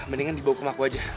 mendingan dibawa ke mako aja